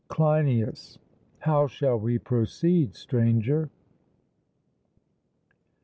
CLEINIAS: How shall we proceed, Stranger?